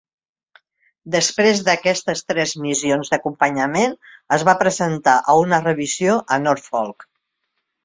Després d'aquestes tres missions d'acompanyament, es va presentar a una revisió a Norfolk.